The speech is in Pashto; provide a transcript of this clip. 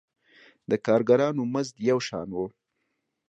د کارګرانو مزد یو شان و.